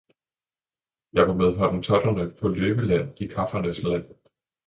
Jeg var med hottentotterne på løvejagt i kaffernes land!